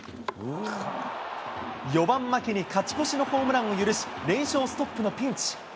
４番牧に勝ち越しのホームランを許し、連勝ストップのピンチ。